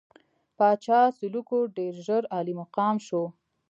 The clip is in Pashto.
پاچا سلوکو ډېر ژر عالي مقام شو.